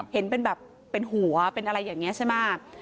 เห็นเป็นแบบเป็นหัวเป็นอะไรอย่างนี้ใช่ไหม